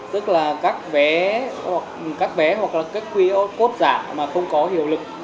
tức là các vé hoặc là các qr code giả mà không có hiệu lực